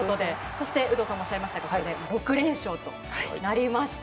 そして、有働さんもおっしゃいましたが６連勝となりました。